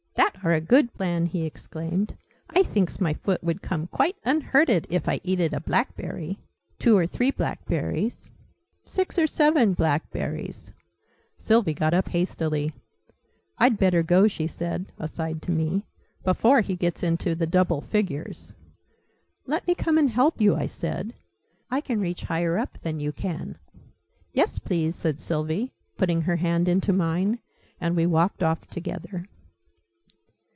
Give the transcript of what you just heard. "That are a good plan!" he exclaimed. "I thinks my foot would come quite unhurted, if I eated a blackberry two or three blackberries six or seven blackberries " Sylvie got up hastily. "I'd better go," she said, aside to me, "before he gets into the double figures!" "Let me come and help you," I said. "I can reach higher up than you can." "Yes, please," said Sylvie, putting her hand into mine: and we walked off together.